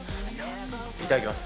いただきます。